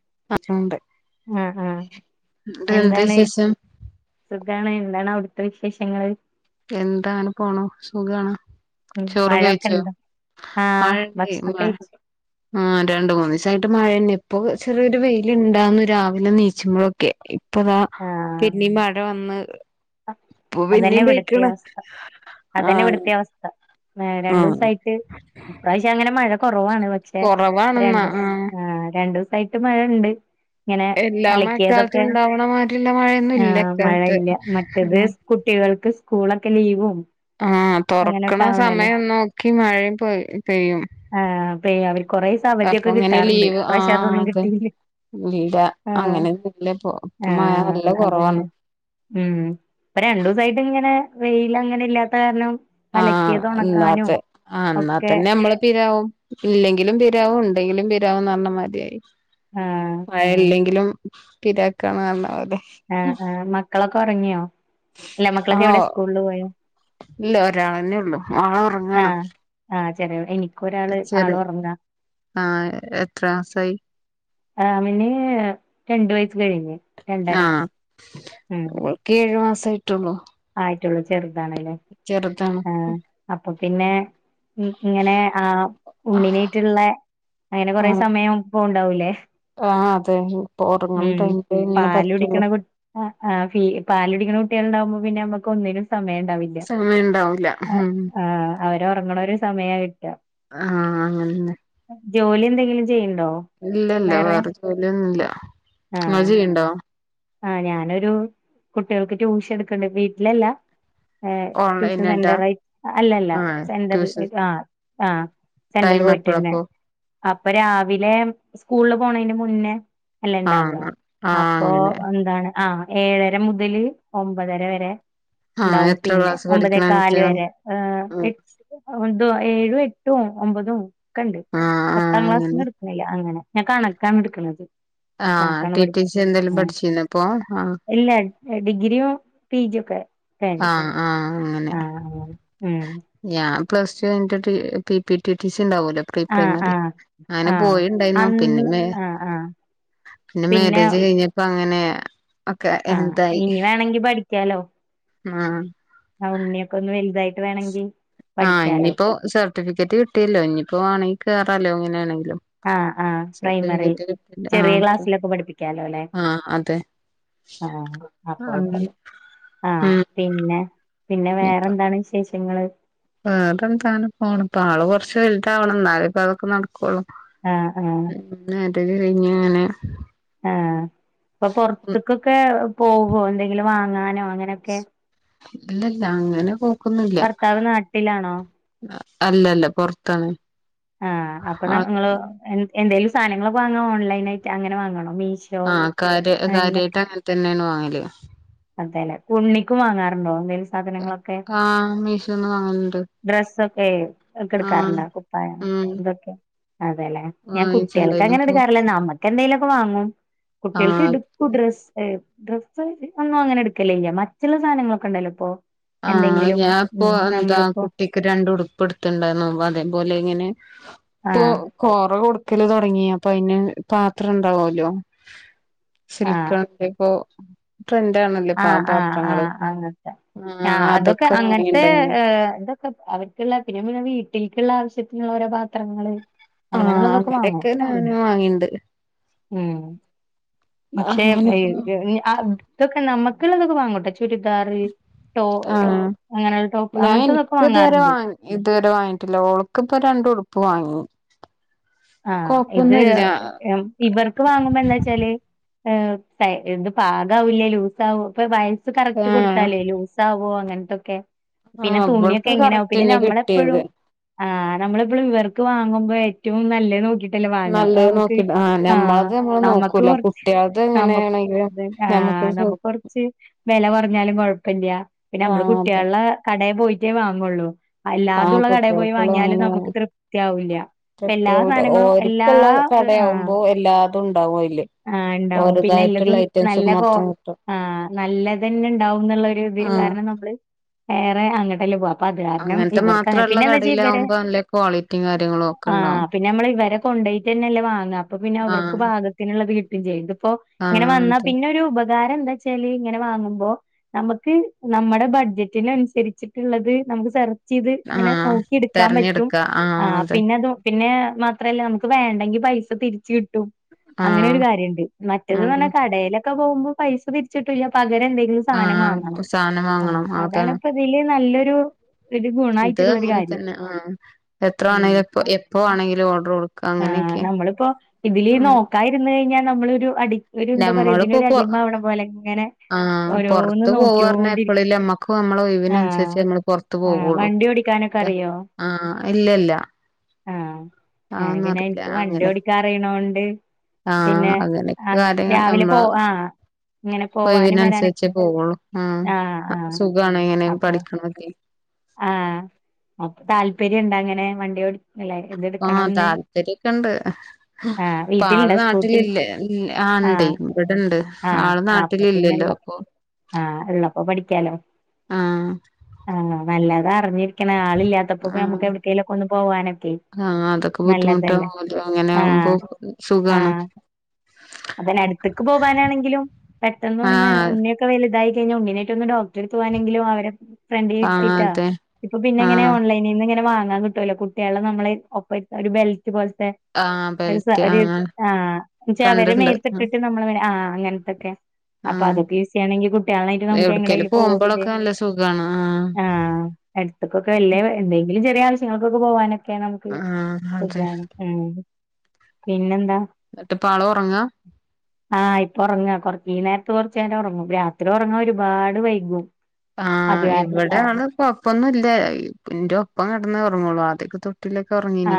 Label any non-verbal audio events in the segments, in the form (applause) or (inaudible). (unintelligible) (unintelligible) ഉണ്ട് ആ എന്ത് ആഎന്താണ് വിശേഷം (unintelligible) എന്താണ് ഔട്ത്തെ വിശേഷങ്ങള് എന്താ ങ്ങനെ പോണ് സുഖണോ ഉം ചോറ് മഴൊക്കെ കഴിച്ചോ ഇണ്ടോ ആഹ് മഴ ഭക്ഷണം കഴിച്ചു (unintelligible) ആ് രണ്ട്മുന്നിസായിട്ട് മയെന്ന ഇപ്പൊ ചെറിയൊരു വെയിലിണ്ടാന്നു രാവിലെ നീച്ചുമ്പോഴൊക്കെ ഇപ്പതാ ആഹ് പിന്നിം മഴ വെന്ന് ഇപ്പം അതന്നെ പിന്നീം (unintelligible) ഇവിടുത്തെ അവസ്ഥ (unintelligible) ആഹ ഏ രണ്ടുസായിട്ട് ഇപ്രാശ്യം അങ്ങനെ മഴ കുറവാണ് പക്ഷേ കൊറവാണെന്നാ (unintelligible) ആഹ് ആ രണ്ടുസായിട്ട് മഴണ്ട് ഇങ്ങനെ എല്ലാ മഴക്കാലത്തും അലക്കിയതൊക്കെ ഉണ്ടാവണ മാതിരിള്ള മഴയൊന്നും ആ ഇല്ല ഇക്കാലത്ത് മഴയില്യ (unintelligible) ഉം (unintelligible) കുട്ടികൾക്ക് സ്കൂളൊക്കെ ലീവും ആഹ തോർക്കണ അങ്ങനെയൊക്കെ ആവണല്ലേ സമയം നോക്കി മഴ പോ പെയ്യും ആഹ (unintelligible) കൊറെേ ദിവസം അപ്പൊ അവധിയൊക്കെ ഇങ്ങനെ കിട്ടാറുണ്ട് ലീവ് ഇപ്രാവശ്യം ആഹ് അതൊന്നും അതെ കിട്ടീയില്ല ഇല്ല അങ്ങനെയന്നും ഇല്ല ഇപ്പൊ ഇപ്പം മഴ ആഹ് നല്ല കുറവാണ് അതന്നെ ഉം ഇപ്പൊ രണ്ടു ദിവസായിട്ട് ഇങ്ങനെ വെയില് അങ്ങനെ ഇല്ലാത്ത കാരണം ആഹ അലക്കിയത് ഒണക്കാനും ഇന്നാത്തെ ആ ഇന്ന ഒക്കെ തന്നെ മ്മള് പിരാവും ഇല്ലെങ്കിലും പിരാവും ണ്ടെങ്കിലും പിരാവും ന്ന് പറഞ്ഞമാതിആയി ആഹ് മഴ ഇല്ലെങ്കിലും പിരാക്കാണ് (unintelligible) ആ ആ മക്കളൊക്കെ ഉറങ്ങിയോ ഇല്ല മക്കളൊക്കെ എവിടെ ആഹ് സ്കൂളില് പോയോ ഇല്ല ഒരാളന്നെ ഉള്ളു ഓള് ഉറങ്ങാണ് ആഹ് (unintelligible) ചെറി ആള് ഒറങ്ങാ ആഹ എത്ര മാസായി ആ അവന് രണ്ട് വയസ് ആഹ ഉം ഓൾക് ഏഴു മസ്സായിട്ടുള്ളൂ ആയിട്ടുള്ളു ചെറുതാണ് ലെ ചെറുതാണ് ആ അപ്പൊ പിന്നെ ഇങ്ങനെ ആ ആഹ് ഉണ്ണിനെയിട്ടുള്ള അയിന് കൊറെ സമയം പോവുണ്ടാവുല്ലെ ആഹ പോകും ഉം പാലുടിക്കണ (unintelligible) ആ ആ ഫീൽ പാലുടിക്ക (unintelligible) കുട്ടികളുണ്ടാവുമ്പോ പിന്നെ നമ്മുക് ഒന്നിനും സമയംണ്ടാവില്ല സമയം ഉണ്ടാവൂല അ ഉം ആ അവർക്ക് ഉറങ്ങണൊരൂ സമയം ആയി (unintelligible) ആഹ അങ്ങനന്നെ ജോലി എന്തെങ്കിലും ചെയ്യുന്നു (unintelligible) ഇല്ല ഇല്ല വേറെ ജോലിയൊന്നുംല്ല ഇങ്ങള് ചെയ്യുണ്ടോ ആഹ ഞാനൊരു കുട്ടികൾക്ക് ട്യൂഷൻ എടുക്കണ്ട് വീട്ടിലല്ല ഹെ ട്യൂഷൻ ഓൺലൈനായിട്ടാ സെന്ററായി അല്ലല്ല ആഹ് സെന്റർ ട്യൂഷൻ ആ ആ സെന്ററിൽ ടൈം പോയിട്ട്ന്നെ എപ്പഴപ്പോ അപ്പൊ രാവിലെ സ്കൂളില് പോണയിന് മുന്നേ അല്ലെ ഇണ്ടാവുക ആഹ് ആഹ് അപ്പൊ അങ്ങനെ എന്താണ് ആ ഏഴര മുതല് ഒമ്പതര വരെ ആഹ് ഇണ്ടാവും എത്ര പിന്നെ ക്ലാസ് പഠിക്ക്ണെ ഒമ്പതേകാല് കുട്ട്യാള് വരെ ഏഹ് ആഹ് എട്ട് (unintelligible) ഒന്തോ ഏഴും എട്ടും ഒമ്പതും ഒക്കെ ഉണ്ട് ആഹ് പത്താം ക്ലാസ്സിന് അങ്ങനെ എടുക്ക്‌ന്നില്ല അങ്ങനെ ഞാൻ കണക്കാണ് എടുക്കണത് ആഹ കണക്കാണ് ടി ടി സി പഠിപ്പിച്ചെ എന്തേലും ആഹ് പഠിച്ചിരുന്നോ ഇപ്പൊ ഇല്ല ഡിഗ്രിയും പി ജിയൊക്കെ ആഹ ആഹ അങ്ങനെ ഉം ഞാ പ്ലസ് ടു കൈഞ്ഞിട്ട് T P P T T C ഉണ്ടാവോലോ പ്രീ ആഹ് പ്രൈമറി ആഹ് അങ്ങനെ ആഹ് പോയിണ്ടായിരുന്നു അന്ന് പിന്നെ ആഹ് (unintelligible) ആഹ് പിന്നെ മാരേജ് കഴിഞ്ഞപ്പോ അങ്ങനെ ഒക്കെ ആഹ് എന്തായി ഇനി വേണങ്കി പഠിക്കാലോ ആ ഉണ്ണിയൊക്കെ ഒന്ന് വലുതായി ആഹ ഇനിയിപ്പോ സർട്ടിഫിക്കറ്റ് കിട്ടിയല്ലോ ഇനിയിപ്പോ ആണെങ്കിൽ കേറാലോ അങ്ങനെയാണെങ്കി ആഹ ആഹ പ്രൈമറി കിട്ടില്ല ചെറിയ ആഹ് ക്ലാസ്സിലൊക്കെ പഠിപ്പിക്കാലോ അല്ലെ ആഹ് അതെ ആഹ അങ്ങനെ അപ്പോകുഴപ്പല്ല ആഹ ഉം പിന്നെ പിന്നെ വേറെ എന്താണ് വിശേഷങ്ങള് വേറെന്ത അങ്ങനെ പോണ് ഇപ്പം ആള് കുറച്ച് വലുതാവണം എന്നാലേ ഇപ്പ അതൊക്കെ നടക്കുള്ളൂ ആഹ ആഹ കഴിഞ്ഞഞ്ഞ അങ്ങനെ ആ പ്പൊ പുറത്തക്കൊക്കെ പോവോ എന്തെങ്കിലും വാങ്ങ ങ്ങാനോ അങ്ങനെയൊക്കെ ഇല്ല ഇല്ല അങ്ങനെ പോ ഭർത്താവ് നാട്ടിലാണോ അല്ല അല്ല പൊറത്താണ് ആ, അപ്പൊ നിങ്ങള് എന്തെലും സാധനങ്ങൾ വാങ്ങോ ഓൺലൈൻ ആയിട്ട് അങ്ങനെ വാങ്ങണോ. മീഷോ ആ കാര്യ എന്നൊക്കെ കാര്യായിട്ട് അങ്ങനെ തന്നെയാണ് വാങ്ങല് അതെല്ലെ, ഉണ്ണിക്കും വാങ്ങാറുണ്ടോ എന്തേലും സാധനങ്ങളൊക്കെ ആ, മീഷോന്ന് വാങ്ങല്ണ്ട് ഡ്രസ്സ് ഒക്കെ (unintelligible) എടുക്കറുണ്ടോ കുപ്പായം ഉം ഇതൊക്കെ അതെല്ലേ, ഞാൻ കുട്ടികൾക്ക് വാങ്ങിച്ചിണ്ടായിരുന്നു അങ്ങനെ ഇപ്പൊ എടുക്കാറില്ല, നമ്മക്ക് എന്തെലൊക്കെ വാങ്ങും കുട്ടികൾക്ക് ആഹ് എടുക്കു ഡ്രെസ് ഡ്രസ്സ് ഒന്നും അങ്ങനെ എടുക്കല്ലേ, ഇല്ല മറ്റുള്ള സാധനങ്ങളൊക്കെ ഉണ്ടല്ലോ ഇപ്പോ ആ, ഞാൻ ഇപ്പോ എന്താ കുട്ടിക്ക് രണ്ട് ഉടുപ്പ് എടുത്തുണ്ടായിരുന്നു അതേപോലെ ഇങ്ങനെ ഇപ്പൊ ആഹ് കൊറ (unintelligible) കൊടുക്കല് തുടങ്ങിയ അപ്പൊ അതിന് പാത്രം ഇ ണ്ടാവല്ലോ ആഹ് സിൽകൺ ടൈപ്പോ ട്രെൻറ് ആണല്ലേ പ പാത്രങ്ങള് ആ ആഹ് അതൊക്കെ അങ്ങനത്തെ വാങ്ങിണ്ടായിരുന്നു ഇതൊക്കെ അവർക്കുള്ള പിന്നെ പിന്നെ വീട്ടിൽ ലേക്കുള്ള ആവശ്യത്തിനുള്ള ഓരോ പാത്രങ്ങള് ആ, അങ്ങനെയുള്ളതൊക്കെ വാങ്ങും അങ്ങനെയൊക്കെ ഞാനും വാങ്ങീണ്ട് ഉം പക്ഷെ അങ്ങനെ (unintelligible) നമ്മക്കുള്ളതൊക്കെ വാങ്ങുട്ട ചുരിദാറ് ടോ ആ അങ്ങനെയുള്ള ടോപ്പ് ഞാൻ അങ്ങനത്തെതൊക്കെ എനിക്ക് ഇതുവരെ വാങ്ങാറുണ്ട് വാ ഇതുവരെ വാങ്ങിട്ടില്ല ഓൾക്ക് ഇപ്പൊ രണ്ട് ഉടുപ്പ് വാങ്ങി ആ, ഇത് കൊഴപ്പൊന്നുല്ല ഇവർക്ക് വാങ്ങുമ്പോ എന്താ ച്ചാല് എ ഇത്പാകവില്ലേ ലൂസ് അവൊ ഇപ്പം വയസ് കറക്ട് ആഹ് കൊടുത്താൽ ലൂസ്ആവോ അങ്ങനത്തൊക്കെ പിന്നെ ആഹ് തുണിയൊക്കെ ഇവൾക്ക് എങ്ങനെയാവും പിന്നെ കറക്റ്റന്നെ കിട്ടിയത് നമ്മളെപ്പോഴും ആ നമ്മളെപ്പളും ഇവർക്ക് വാങ്ങുബോൾ ഏറ്റവും നല്ല നൊക്കി ലെ വാങ്ങ അപ്പ നല്ലത് നമമക്ക് നോക്കി ആ നമ്മളത് നമ്മള് നമക്ക് നോക്കൂല കുറച്ച് കുട്ടികളത് നമക്ക് എങ്ങനെയാണെങ്കിലും ആ ആ നമുക്ക് കൊറച്ച് വില കുറഞ്ഞാലും കൊഴപ്പല്ല്യ ആ അതെ പോയിട്ടേ വാങ്ങള്ളൂ ആ കുട്ടികൾക്കുള്ള പ്രത്യക ഒരു ഒ ആഹ് ആഹ് ഇണ്ടാവും ഒലതായിട്ടുള്ള ഐറ്റംസ് ആ നല്ലതന്നെ ഉണ്ടാവും എന്നുള്ളോരു ഇതിൽ ആ കാരണം നമ്മൾ നേരേ അങ്ങട്ടല്ലേ പോവ അപ്പൊ അത് കാരണം അങ്ങനത്തെ മാത്രമുള്ള ഇവർക്ക് കടയിലാവുമ്പോ നല്ല ക്വാളിറ്റിയും കാര്യങ്ങളും (unintelligible) ഒക്കെ ആഹ് ഉണ്ടാവും പിന്നെ നമ്മള് ഇവരെ കൊണ്ടൊയിട്ട് തന്നെല്ലേ വാങ്ങ അപ്പം പിന്നെ ആ അവർക്ക് പാകത്തിനുള്ളത് കിട്ടും ചെയ്യും ആ അതെ (unintelligible) ഉപകാരം ന്ത നമുക്ക് സെർച്ച് ചെയ്ത് ആ ഇങ്ങനെ നൊക്കിഇട്ക്കാൻ പറ്റും തെരഞ്ഞെടുക്ക ആ അതെ പിന്നെ അത് പിന്നെ മാത്രല്ല നമുക്ക് ആ (unintelligible) എന്തെങ്കിലും ആ ആ സാധനം വങ്ങണം സാധനം വാങ്ങണം അതാണ് അതാണിപ്പോൾ ഇതിൽ നല്ലൊരു ഒരു ഇത് ഗുണായിട്ടുള്ളൊരു അങ്ങനെ കാര്യം തന്നെ ആ എത്ര ഉം ആണെങ്കിലും എപ്പ (unintelligible) എപ്പോ ആണെങ്കിലും ഓർഡർ കൊടുക്ക അങ്ങനെയൊക്കെ ഉം ഒരു എന്താ പറ നമ്മളിപ്പോ ഇതിനൊരു പോ അടിമ ആവുന്നത് ആ പൊലെഒരൊന്ന് പുറത്ത് പോവാറഞ്ഞ ന്നൊക്യൊണ്ടിരിക്കും എപ്പഴല്ലേ നമ്മക്ക് നമ്മളെ ഒഴിവിനനുസരിച്ച് നമ്മള് പുറത്ത് ആ പോവുള്ളൂ ഇതാ ആ ആ ഞാൻ അതൊന്നും പിന്നെ അറിയില്ല ഇൻക്ക് അങ്ങനെ വണ്ടിയൊടിക്കാൻ അറിനൊട് ആ പിന്നെ അങ്ങനെയൊക്കെ ആ കാര്യങ്ങൾ രാവിലെ നമ്മളെ പൊവ ആ ഇങ്ങനെ പോവാനും ഒഴിവിനനുസരിച്ചേ വരാനൊക്കെ പോവുള്ളൂ ആ ആ സുഖാണ് ഇങ്ങനെ അപ്പൊ പഠിക്കണൊക്കെ ആഅപ്പൊ താല്പര്യംണ്ടങ്ങനെ വണ്ടിയോട് ആ താല്പര്യൊക്കെണ്ട് ആഹ് പ ആള് വീട്ടിലുണ്ടോ സ്കൂട്ടി നാട്ടിലില്ലേ ആ ണ്ട് ആഹ് ഇവിടെണ്ട് ആഹ് ആള് അപ്പൊ പിന്നെ നാട്ടിലില്ലല്ലോ ഇള്ള അപ്പൊ ആഹ് ള്ളപ്പോൊ പഠിക്കാലോ ആ ആ നല്ലാതറിഞ്ഞി എന ആളില്ലാത്തപ്പോ ആ നമക്ക് എവിടേക്കേലും പൊ പോവാനൊക്കെ ആഹ് അതൊക്കെ നല്ലതല്ലേ ബുദ്ധിമുട്ടാവല്ലോ അങ്ങനെ ആവുമ്പോ ആആ സുഖാണ് അതന് അടുത്തക്ക് പോവാനാണെങ്കിലും പെട്ടെന്ന് ഒന്ന് ആഹ് ന്നൊക്കെ വ (unintelligible) ഇതായി കഴിഞ്ഞ ഉണ്ണിനെട്ടൊന്ന് ഡോക്ടർത്ത്പോവാനെങ്കിലും അവരെ ഫ്രണ്ട് ആഹ് കിട്ടീട്ടാ അതെ ഇപ്പൊപ്പിന്നെങ്ങനെ ആഹ് ഓൺലൈനിൽ നിന്ന് ഇങ്ങനെ വാങ്ങാൻ പ കുട്ട്യാളെ നമ്മളൾ ഒപ്പ ഇരുത്തഒരു ബെൽറ്റ് ബെൽറ്റ് പോലത്തെ ആഹ് ഒരു ബെൽറ്റ് സാരി സ ആഹ് ആ ചവരെ കണ്ടിണ്ട് മേത്തിട്ടിട്ട് നമ്മൾ ആ അങ്ങനത്തൊക്കെ ആഹ് അപ്പൊതൊക്കെ യൂസ് ചെയ്യണെങ്കിൽ കുട്ടികളായിട്ട് നമുക്ക് എവിടക്കേലും എങ്ങട്ടെങ്കിലും പോവുവൊക്കെ പോകുമ്പോളൊക്കെ ചെയ്യാം നല്ല സുഖാണ് ആഹ് ആ എടുത്തക്കൊക്കെ വല്ലിയ എന്തെങ്കിലും ചെറിയ ആവശ്യങ്ങൾക്കൊക്കെ പോവാന് നമുക്ക് ആഹ് അതെ സുഖാണ് പിന്നെ എന്നിട്ട് പാ ള്ഉറങ്ങാ ആഇപ്പൊ ഉറങ്ങ കൊറ ഈ നേരത്ത് കൊറേച്ചരം ഉറങ്ങും രാത്രി ഉറങ്ങാ ഒരുപാട് വൈകും അത് കാരണം അഹ് ആഇവിടെയാണ് ആൾ കൊഴപ്പൊന്നുല്ല ഇന്റെ ഒപ്പം കിടന്നേ ഉറങ്ങോള്ളൂ ആദ്യൊക്ക ആ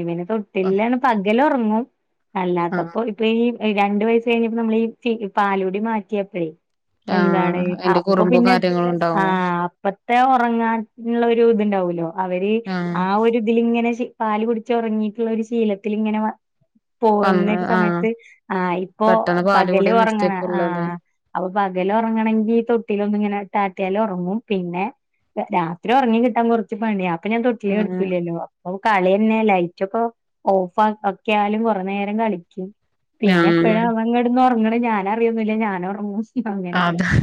ഇവന് ആഹ് തൊട്ടിലാണ് പകല് ഉറങ്ങും അല്ലാത്തപ്പോ ഇപ്പ ഈ രണ്ട് വയസ്സ് കഴിഞ്ഞപ്പോ നമ്മൾ ഈ പാലൂടി മാറ്റിയാപ്പഴേ ആഹ് എന്താണ് അയിന്റെ അപ്പൊ കുറുമ്പും പിന്നെ കാര്യങ്ങളും ഉണ്ടാവും ആഅപ്പത്തെ ഉറങ്ങാനുള്ള ഒരു ഇതുണ്ടാവൂലോ അവര് ആഹ് ആ ഒ ഒരു ഇതിലിങ്ങനെ പാല് കുടിച്ച് ഉറങ്ങിയിട്ടുള്ള ഒരു ശീലത്തി ഇങ്ങനെ വ വന്ന് പോകുന്നൊരു ആഹ് സമയത്ത് ആഇപ്പോ പെട്ടെന്ന് പാല് പകല് കുടി ഉറങ്ങണ ആ നിർത്തിയപ്പള്ളത് അപ്പൊ പകല ഉറങ്ങണെങ്കി തൊട്ടിലൊന്നുഇങ്ങനെട്ടാ (unintelligible) മുട്ട്യാലേ ഉറങ്ങു പിന്നെ രാത്രി ഉറങ്ങി കിട്ടാൻ കുറച്ചു പണിയ അപ്പൊ ഞാൻ തൊട്ടിലി ആഹ് കെടതൂല്ലല്ലോ അപ്പ കളി തന്നെ ലൈറ്റ് ഒക്കെ ഓഫ്‌ ആക്യാലും കുറെ നേരം കളിക്കും (inaudible) പിന്നെ എപ്പോഴാ ആഹ് അവങ്ങടന്ന് ഉറങ്ങണ ഞാന അറിയൊന്നില്ല ഞാനങ്‌ ഉറങ്ങും (inaudible) അങ്ങനക്കെ അതാ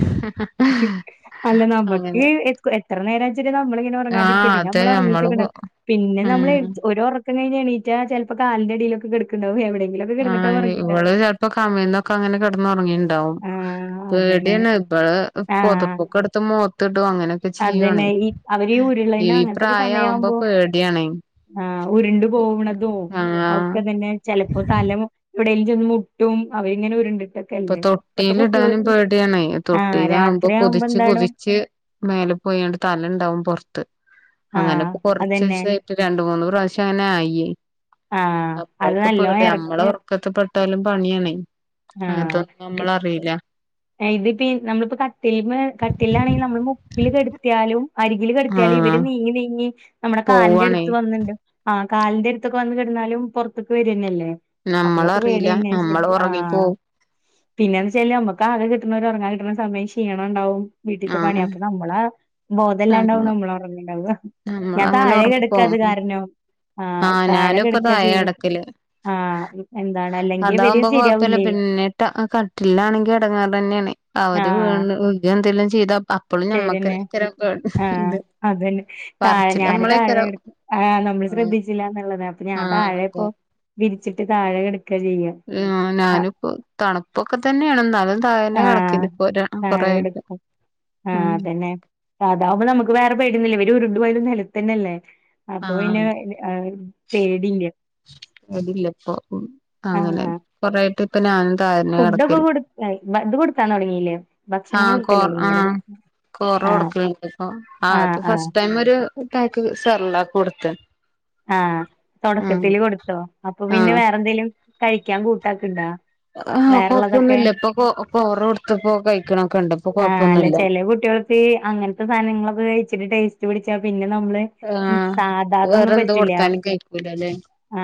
അല്ല നമ്മക്ക് അങ്ങനെ എത്ര നേര (unintelligible) നമ്മള (unintelligible) ങ്ങനെ ഉറങ്ങാതിരിക്ക ആഹ് പിന്നെ അതെ നമ്മള് നമ്മലോറങിട്ടൊക്കെ ഉണ്ടാർന്ന് പിന്നെ ഉം നമ്മൾഓോ കഴി എണീറ്റാ ചെലപ്പോ കാ ലിന്റെടിയിലക്കെടുക്കണ്ടാവും എവിടെ ആ ഇവള് ചെലപ്പോ കമീന്നൊക്കെ അങ്ങനെ കിടന്ന ഉറങ്ങിണ്ടാവും ആഹ് പേടി അതന്നെ യാണ് (unintelligible) ഇവള് ആഹ് പൊതപ്പൊക്കെ എടുത്ത് മുഖത്ത്ടും അങ്ങനെയൊക്കെ ചെയ്യാണ് അതന്നെ ഈ അവര് ഈ ഉരുളണ (unintelligible) പ്രായ ഇങ്ങ (unintelligible) നെ ആവുമ്പോ പേടിയാണ് ആഉരുണ്ടു പോവണതും ആഹ് ഒക്കെതന്നെ ചെ (unintelligible) ലപ്പോ തല എവിടേലുംചെന്ന് മുട്ടും അവനി ങ്ങനെ ഉ രുണ്ടി ഇപ്പൊ തൊട്ടിലിടാനും പേടിയാണ് ആഹ് തൊട്ടിലിടുമ്പോ രാത്രിയാവുമ്പോ എന്താടോ കുതിച്ച്കുതിച്ച് മേല പോയണ്ട് തല ഉണ്ടാവും പൊറത്ത് ആഹ് അങ്ങനെപ്പോ അതന്നെ കൊറച്ചീസായിട്ട് രണ്ട് മൂന്ന് പ്രാവശ്യം അങ്ങനെ ആയി ആഹ് അത് അപ്പോഴക്കെ നല്ലോണം പേടിയാ എറ നമ്മള ഉറക്കത്തി പെട്ടാലും പണിയാണെ അതെ നമ്മളറിയില്ല ഇത് പി നമ്മളിപ്പോ കട്ടിൽമേ കട്ടിലാണെങ്കിൽ നമ്മള് മുട്ടി ല് കെടുത്തിയാലും അരികിൽ കടുത്തിയാലും ഇവര് ആഹ് നീങ്ങി നീങ്ങി നമ്മുടെ കാലിന്റെ പോവാണേ അടുത്ത് വന്ന്ണ്ട് കാലിന്റെ അടുത്തൊക്കെ വന്ന കിടന്നാലും പുറത്തൊക്ക് വരുന്നല്ലേ അപ്പതൊക്കെ പേടി നമ്മളറിയില്ല തന്ന നമ്മള് ശെരിക്കും ആ ഉറങ്ങിപ്പോവും പിന്നെന്ന്ച്ചാല് നമ്മുക്ക് ആകെ കിട്ടുന്നവര് ഉ റങ്ങാൻ കിട്ടണ സമയ ക്ഷീണം ഉണ്ടാവും വീട്ടിലത്തെ പണിയാ ആഹ് അപ്പൊ നമ്മളെ ബോധല്ലാണ്ടാവും നമ്മള് നമ്മള ഉറങ്ങണ്ടാവാ ഞാൻ നമ്മളങ്ങനെ താഴെ ഉറങ്ങിപ്പോവും കെടക്കാഅത് കാരണം ആ ആഹ് താഴെ ഞാനിപ്പ കെടുക്കാ താഴെ ചെയ്യ കെടക്കല് ആഎന്താണ് അല്ലെങ്കിൽ ഇവര് ശരിയാവൂില്ലേ അ കട്ടിലാണെങ്കിൽ എടങേ റ് തന്നെയാണ് ആ അവര് വീണ് എന്തെങ്കിലും ചെയ്താ അപ്പളും ശരിയന്നെ ഞമ്മക്ക്ന്നെ തരാൻ കേണ്ട് (inaudible) ആഹ് (inaudible) അതന്നെ (unintelligible) താഴെ ഞാന് താഴെ കെ ടുക്ക ആ് നമ്മള് ആഹ് ശ്രദ്ധിച്ചില്ല എന്നുള്ളത് അപ്പൊ ഞാൻ ആഹ് താഴെ അതെ ഇപ്പോവി രി ച്ചക്ക് താഴെ കിട ഞാനി ഇപ്പോ തണുപ്പൊക്കെ തന്നെയാണ് ന്നാലും താഴ ന്നെ കടക്കല് കുറെ ആയിട്ട് ആ ഉം അതന്നെ അതാ വുമ്പോ നമുക്ക് വേറെ പേടിയൊന്നുല്ല ഒരു ഉരുണ്ട് പോയത് നിലത്തന്നെല്ലേ അപ്പൊ പിന്നെ പേടില്ല അരില്ല ഇപ്പൊ ആ അങ്ങനെ കൊറെ ആായിട്ട് ഇപ്പ ഞാന ഫുഡൊക്കെ കൊടുക്കാൻ തുടങ്ങീല്ലേ ആഹ കോർ ആഹ കോറ ആഹ് കൊടുക്കലണ്ട്പ്പൊ ആ ആഹ് അത് ആഹ് ഫസ്റ്റ് ടൈം ഒരു ക്ക് സർല്ലാക്ക് കൊടുത്ത ആ തുടക്കത്തിൽ കൊടുത്തോ അപ്പൊ പിന്നെ ആഹ് വേറെ എന്തേലും കഴിക്കാൻ കൂട്ടാക്ക്ണ്ടാ ആഹ വേറെള്ളതൊക്കെ കൊഴപ്പൊന്നുമില്ല ഇപ്പൊ ആ ആ കൊഴപ്പൊന്നുമുമില്ല കോറ കൊടുത്ത്പ്പോ കഴിക്കണൊക്കെ ഇണ്ട് ഇപ്പൊ ആഹ് അല്ല കൊഴപ്പൊന്നുമില്ല (unintelligible) അങ്ങനത്തെ സാധനങ്ങളൊക്കെ കഴിച്ചി ട്ട് ടേസ്റ്റ് പിടിച്ച പിന്നെ നമ്മള് ആഹ് വേറെ സാധതൊന്നും പ എന്ത് കൊടുത്താലും കഴിക്കൂലല്ലേ അ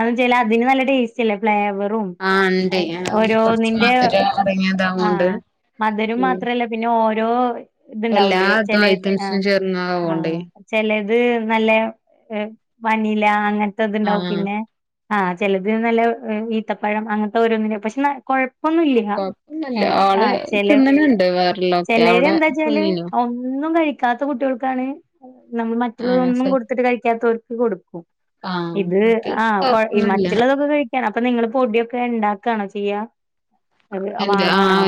അതിന് നല്ല ടെസ്റ്റില്ലേ ഫ്ലവേർന് മ്മ് ആഹ് ഇണ്ടേ ഓരോ കൊറച്ച് നിന്റെ മധുരം ആ അടങ്ങിയതാവോണ്ട് മധുരം ഉം മാത്രല്ല പിന്നെ ഓരോ എല്ലാ ഇത്ണ്ടാവൂലേ ഇതും ചിലെ ആ ഐറ്റംസും ആ ചേർന്നതാവോണ്ടേ ചിലെ അത് നല്ല വാനില അങ്ങനത്തെ ഇതുണ്ടാവും ആഹ് പിന്നെ ആ ചിലത് നല്ല ഈത്തപ്പഴം അങ്ങനത്തെ ഓരോന്നിനെ പക്ഷെ ന കൊഴപ്പൊന്നൂല്ല്യ കൊഴപ്പൊന്നുല്ല ആ ആള് ചെല തിന്ന്ണ് ണ്ട് ചെ വേറെള്ളൊക്കെ ലേര് അവിടെ എന്താച്ചാല് തിന്നീനോ ഒന്നും കഴിക്ക കഴിക്കാത്ത കുട്ടികൾക്കാണ് നമ്മൾ മറ്റുള്ളതൊന്നും ആഹ് കൊടുത്തിട്ട് കഴിക്കാത്തവർക്ക് കൊടുക്കും ആഹ് ഇത് ആ കൊ കൊഴപ്പൊന്നുല്ല മറ്റുള്ളതൊക്കെ കഴി ക്കാണ് അപ്പൊ നിങ്ങള് പൊടിയൊക്കെ ഉണ്ടാക്കാ ണോ ചെയ്യാ എന്റെ ആ വാങ്ങാണോ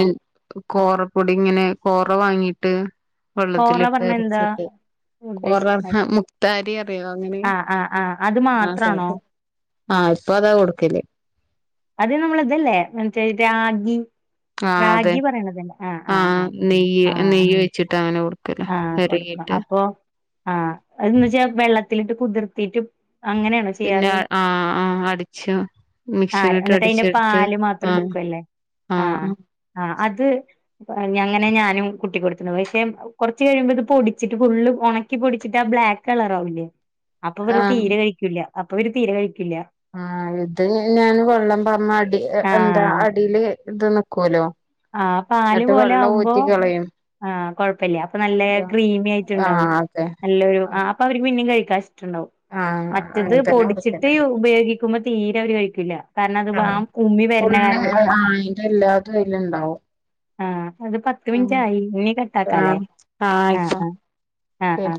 കോറപ്പൊടി ങ്ങനെ കോറ വാങ്ങീട്ട് കോറ പറഞ്ഞ എന്താ വെള്ളത്തിലിട്ടരച്ചിട്ട് കോറ ഉദ്ദേശിക്കുന്നത് മുക്താരി അറിയോ അങ്ങനെ ആ ആ ആ അത് ആ സാ മാത്രാണോ ആ ഇപ്പൊ അതാ കൊടുക്കല് അത് നമ്മളിതല്ലേ മറ്റേ രാഗി ആ അതെ റാഗി പറയണതല്ലെ ആ ആ ആ നെയ്യ് ആ നെയ്യ് വെച്ചിട്ട് അങ്ങനെ കൊടുക്കല ആ കൊ വെരകിട്ട് അപ്പൊ ആ എന്ന് വച്ചാ വെള്ളത്തിലിട്ട് കുതിർത്തീട്ട് പിന്നെ ആ ആ അടിച്ച് മി ആ എന്നിട്ട് അയിന്റെ പാല് മാത്രം എടുക്കുവല്ലേ ആ ആ അത് അങ്ങനെ ഞാനും കുട്ടിക്കൊടുത്തിനി പക്ഷെ കൊറച്ച് കഴിയുമ്പോത് പൊടിച്ചിട്ട് ഫുള്ള് ഒണക്കി പൊടിച്ചിട്ട് ബ്ലാ ലാക്ക് കളറാവൂല്ലേ അപ്പൊ ഇവ ആ തീര കഴിക്കൂല അപ്പൊര് തീരെ ക ആ ഇത് (unintelligible) വെള്ളം പാർന്നാ അടി എന്താ അടില് ഇത് നിക്കൂലോ ആ പാല് എന്നിട്ട് പോലെ വെള്ളം ആമ്പോ ഊറ്റി കളയും ആ കൊഴപ്പല്ല്യ അപ്പ നല്ല ക്രീമി ആ ആയിട്ട്ണ്ടാവും അതെ നല്ലൊരു ആ അങ്ങനെ അപ്പവര് പിന്നേം കഴിക്കും ഇഷ്ടണ്ടാവും ആഹ് മറ്റത് അങ്ങനെ തന്നെ പൊടിച്ചിട്ട് കൊടുക്കല് ഉപയോഗിക്കുമ്പോ തീരെ അവര് കഴിക്കില്ല കാരണം അത് ആഹ് വാം ഉമി വരുന്ന ഫുള്ള് കാരണം ആഹ് അയിന്റെ എല്ലാതും അയിലുണ്ടാവും ആ അത് പത്ത് മിൻറ്റ് ആഹ് ആയി ഇനികട്ടാക്കാലേ ആഹ് ആഹ് ആ ആയിക്കോ ആ ആ ശരി ആ